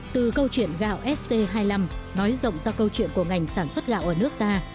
từ câu chuyện gạo st hai mươi năm nói rộng ra câu chuyện của ngành sản xuất gạo ở nước ta